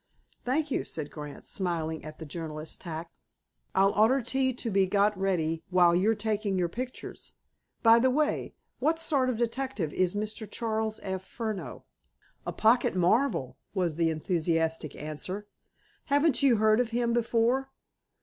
"Thank you," said Grant, smiling at the journalist's tact. "I'll order tea to be got ready while you're taking your pictures. By the way, what sort of detective is Mr. Charles F. Furneaux?" "A pocket marvel," was the enthusiastic answer. "Haven't you heard of him before?